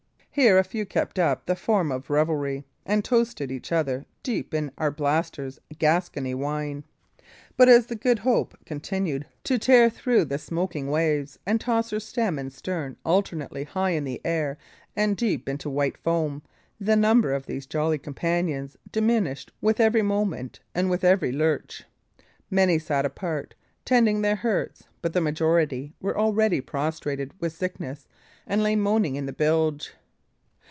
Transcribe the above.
Here a few kept up the form of revelry, and toasted each other deep in Arblaster's Gascony wine. But as the Good Hope continued to tear through the smoking waves, and toss her stem and stern alternately high in air and deep into white foam, the number of these jolly companions diminished with every moment and with every lurch. Many sat apart, tending their hurts, but the majority were already prostrated with sickness, and lay moaning in the bilge.